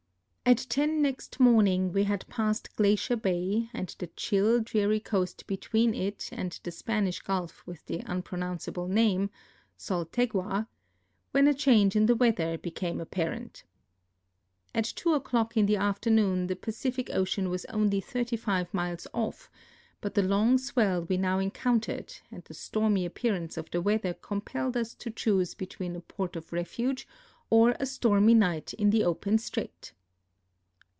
At 10 next morning we had passed Glacier bay and the chill, dreary coast between it and the Spanish gulf with the unpronounceable name (Xaultegua), when a change in the weather became ap parent. At 2 o'clock in the afternoon the Pacific ocean was only 35 miles off, but the long swell we now encountered and the stormy appearance of the weather compelled us to choose "be tween a port of refuge or a stormy night in the open strait.